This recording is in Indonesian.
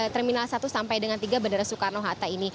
terminal satu sampai dengan tiga bandara soekarno hatta ini